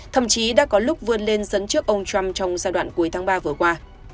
thậm chí đã có lúc vươn lên dẫn trước ông trump trong giai đoạn cuối tháng ba vừa qua